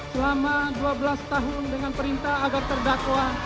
selama dua belas tahun dengan perintah agar terdakwa